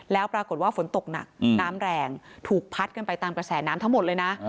แล้วปรากฏว่าฝนตกหนักน้ำแรงถูกพัดกันไปตามกระแสน้ำทั้งหมดเลยนะ